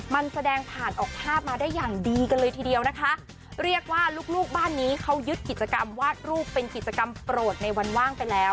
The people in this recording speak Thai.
มันแสดงผ่านออกภาพมาได้อย่างดีกันเลยทีเดียวนะคะเรียกว่าลูกลูกบ้านนี้เขายึดกิจกรรมวาดรูปเป็นกิจกรรมโปรดในวันว่างไปแล้ว